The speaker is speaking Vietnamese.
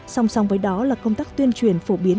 song song với đó là công tác tuyên truyền phổ biến